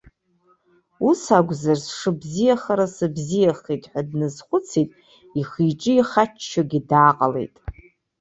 Ус акәзар сшыбзиахара сыбзиахеит ҳәа дназхәыцит, ихы-иҿы ихаччогьы дааҟалеит.